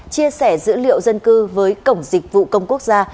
chia sẻ dữ liệu dân cư với cổng dịch vụ công quốc gia